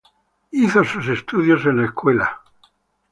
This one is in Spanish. Hizo sus estudios en la Escuela St.